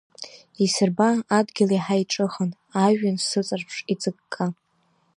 Исырба адгьыл иаҳа иҿыхан, ажәҩан саҵарԥш иҵыкка…